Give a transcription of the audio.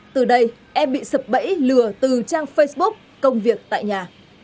từ đây em bị sập bẫy lừa từ trang facebook công việc tại nhà